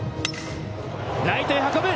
ライトへ運ぶ！